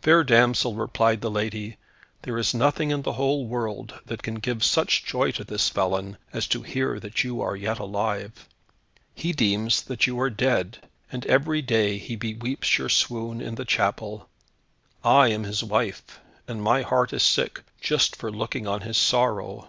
"Fair damsel," replied the lady, "there is nothing in the whole world that can give such joy to this felon, as to hear that you are yet alive. He deems that you are dead, and every day he beweeps your swoon in the chapel. I am his wife, and my heart is sick, just for looking on his sorrow.